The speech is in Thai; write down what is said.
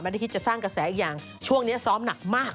ไม่ได้คิดจะสร้างกระแสอีกอย่างช่วงนี้ซ้อมหนักมาก